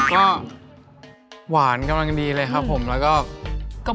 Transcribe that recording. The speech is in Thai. ก็หวานกำลังดีเลยครับผมแล้วก็